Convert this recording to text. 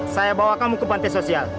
saya bawa kamu ke pantai sosial